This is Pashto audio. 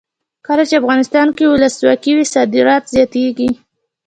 کله چې افغانستان کې ولسواکي وي صادرات زیاتیږي.